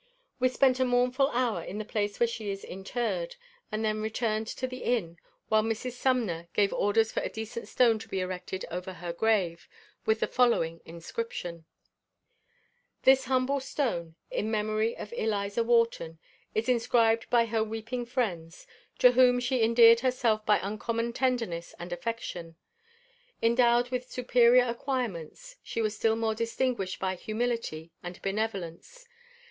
We spent a mournful hour in the place where she is interred, and then returned to the inn, while Mrs. Sumner gave orders for a decent stone to be erected over her grave, with the following inscription: THIS HUMBLE STONE, IN MEMORY OF ELIZA WHARTON, IS INSCRIBED BY HER WEEPING FRIENDS, TO WHOM SHE ENDEARED HERSELF BY UNCOMMON TENDERNESS AND AFFECTION. ENDOWED WITH SUPERIOR ACQUIREMENTS, SHE WAS STILL MORE DISTINGUISHED BY HUMILITY AND BENEVOLENCE.